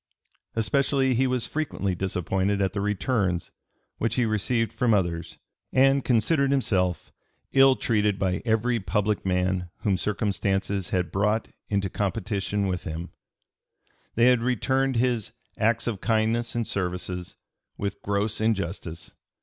Especially he was frequently disappointed at the returns which he received from others, and considered himself "ill treated by every public man whom circumstances had brought into competition with him;" they had returned his "acts of kindness and services" with "gross injustice."